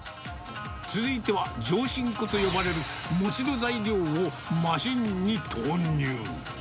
続いては、上新粉と呼ばれる餅の材料をマシンに投入。